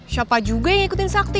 siapa juga yang ikutin sakti